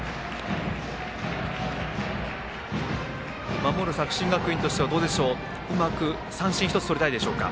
守る作新学院としてはどうでしょううまく三振１つとりたいでしょうか。